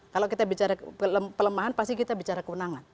kalau kita bicara pelemahan pasti kita bicara kewenangan